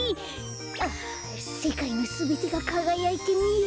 ああせかいのすべてがかがやいてみえる。